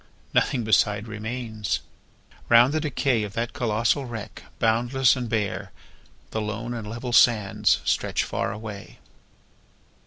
Nothing beside remains. Round the decay Of that colossal wreck, boundless and bare The lone and level sands stretch far away.